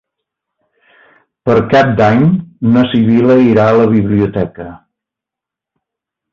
Per Cap d'Any na Sibil·la irà a la biblioteca.